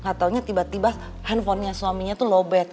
gatau nya tiba tiba handphonenya suaminya tuh lobet